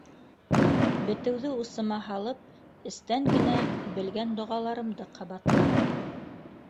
Бетеүҙе усыма һалып, эстән генә белгән доғаларымды ҡабатланым: